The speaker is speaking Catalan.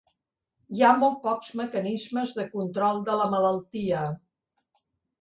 Hi ha molt pocs mecanismes de control de la malaltia.